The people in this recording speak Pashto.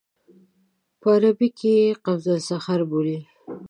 په عربي کې یې قبة الصخره بولي.